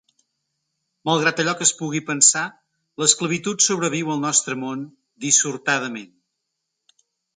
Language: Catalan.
Malgrat allò que es pugui pensar, l’esclavitud sobreviu al nostre món, dissortadament.